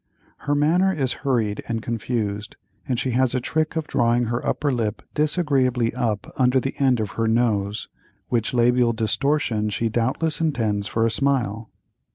Her manner is hurried and confused, and she has a trick of drawing her upper lip disagreeably up under the end of her nose, which labial distortion she doubtless intends for a smile.